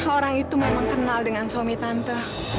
orang itu memang kenal dengan suami tante